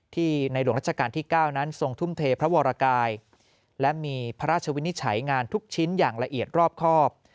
ในหลวงราชการที่๙นั้นทรงทุ่มเทพระวรกายและมีพระราชวินิจฉัยงานทุกชิ้นอย่างละเอียดรอบครอบ